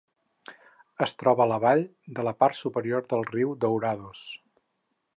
Es troba a la vall de la part superior del riu Dourados.